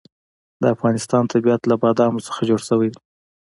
د افغانستان طبیعت له بادامو څخه جوړ شوی دی.